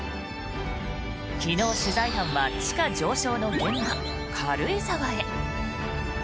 昨日、取材班は地価上昇の現場、軽井沢へ。